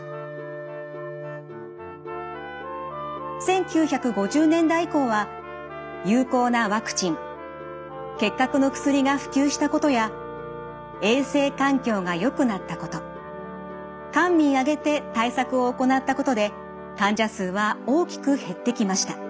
１９５０年代以降は有効なワクチン結核の薬が普及したことや衛生環境がよくなったこと官民あげて対策を行ったことで患者数は大きく減ってきました。